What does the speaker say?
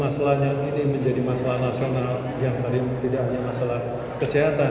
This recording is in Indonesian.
masalahnya ini menjadi masalah nasional yang tadi tidak hanya masalah kesehatan